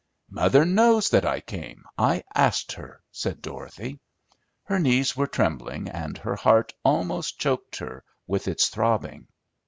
"Mother knows that I came; I asked her," said Dorothy. Her knees were trembling and her heart almost choked her with its throbbing.